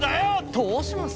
「どうします？」。